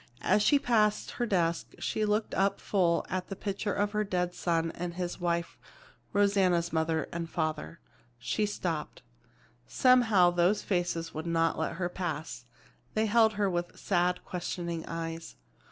As she passed her desk, she looked up full at the picture of her dead son and his wife, Rosanna's father and mother. She stopped. Somehow those faces would not let her pass. They held her with sad, questioning eyes.